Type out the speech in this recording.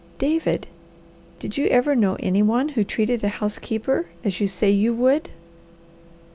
"David, did you ever know any one who treated a housekeeper as you say you would?"